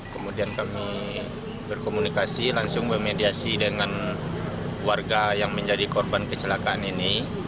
kemudian kami berkomunikasi langsung memediasi dengan warga yang menjadi korban kecelakaan ini